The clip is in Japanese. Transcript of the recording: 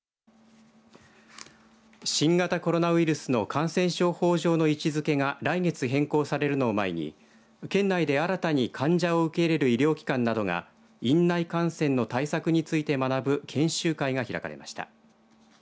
新型コロナウイルスの感染症法上の位置づけが来月、変更されるのを前に県内で新たに患者を受け入れる医療機関などが院内感染の対策について学ぶ研修会が開かれました。